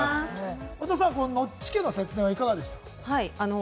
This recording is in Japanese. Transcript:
ノッチ家の節電はいかがでしたか？